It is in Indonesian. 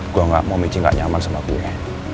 gue gak mau michi gak nyaman sama gue